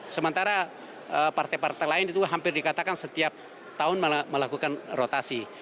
sementara partai partai lain itu hampir dikatakan setiap tahun melakukan rotasi